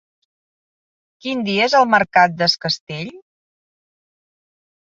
Quin dia és el mercat d'Es Castell?